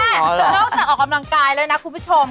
นอกจากออกกำลังกายแล้วนะคุณผู้ชม